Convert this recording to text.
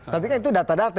tapi kan itu data data